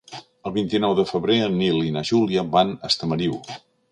El vint-i-nou de febrer en Nil i na Júlia van a Estamariu.